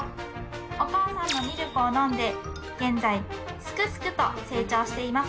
お母さんのミルクを飲んで現在すくすくと成長しています